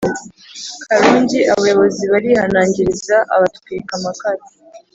Karongi abayobozi barihanangiriza abatwika amakara